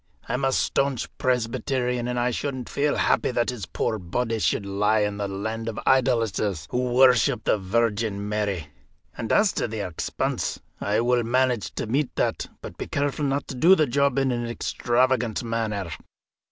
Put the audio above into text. I am a staunch Presbyterian, and I shouldn't feel happy that his poor body should lie in the land of idolaters, who worship the Virgin Mary. And as to the expense, I will manage to meet that; but be careful not to do the job in an extravagant manner.'"